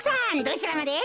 どちらまで？